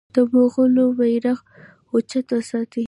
د مغولو بیرغ اوچت وساتي.